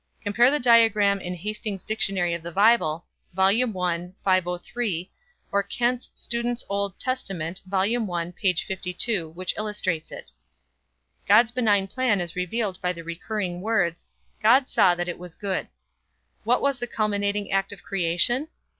Compare the diagram in Hastings' Dictionary of the Bible I, 503 or Kent's Student's Old Testament, Vol. I, p. 52 which illustrates it. God's benign plan is revealed by the recurring words: "God saw that it was good." What was the culminating act of creation?